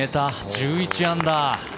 １１アンダー。